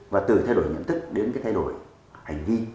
và từ thay đổi nhận thức đến cái thay đổi hành vi